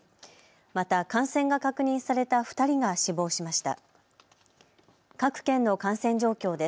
また感染が確認された２人が死亡しました。